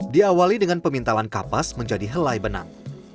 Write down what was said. diawali dengan pemintalan kapas menjadi helai benang